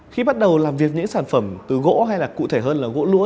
khi bắt đầu làm việc những sản phẩm từ gỗ hay là cụ thể hơn là gỗ lũa